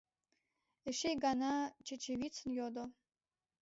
— эше ик гана Чечевицын йодо.